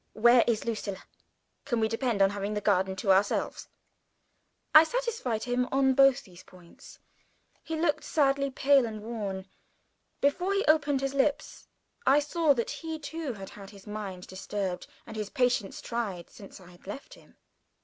Where is Lucilla? Can we depend on having the garden to ourselves?" I satisfied him on both those points. He looked sadly pale and worn. Before he opened his lips, I saw that he too had had his mind disturbed, and his patience tried, since I had left him.